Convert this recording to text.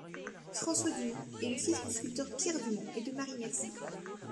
François Dumont est le fils du sculpteur Pierre Dumont et de Marie Mercier.